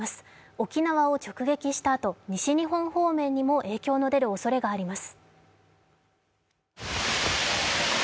沖縄を直撃したあと西日本方面にも影響の出るおそれがあります。